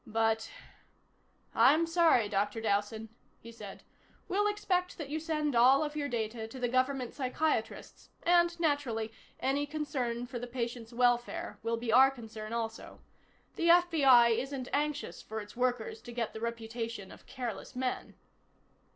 But "I'm sorry, Dr. Dowson," he said. "We'll expect that you send all of your data to the government psychiatrists and, naturally, any concern for the patient's welfare will be our concern also. The FBI isn't anxious for its workers to get the reputation of careless men."